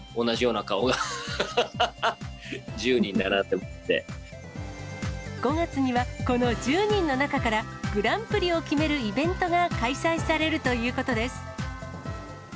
同じような顔が１０人並んだ５月には、この１０人の中から、グランプリを決めるイベントが開催されるということです。